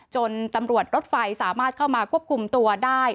ตำรวจรถไฟสามารถเข้ามาควบคุมตัวได้